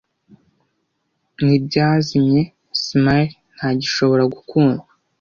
Nibyazimye Smile ntagishobora gukundwa,